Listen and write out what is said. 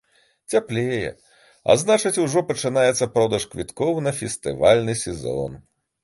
Цяплее, а значыць, ужо пачынаецца продаж квіткоў на фестывальны сезон.